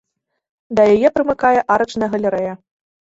Да яе прымыкае арачная галерэя.